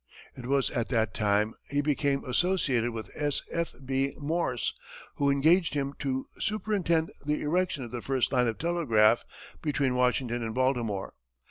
It was at that time he became associated with S. F. B. Morse, who engaged him to superintend the erection of the first line of telegraph between Washington and Baltimore.